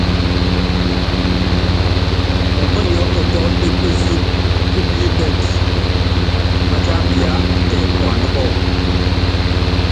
Ɔmɔnyiɔ́kɔtɔ́ ékúsí kúpípɛtɛ́, atíapia tɛ puandá kɔ́ɔku.